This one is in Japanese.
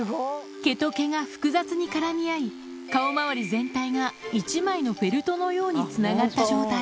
毛と毛が複雑に絡み合い、顔周り全体が１枚のフェルトのようにつながった状態。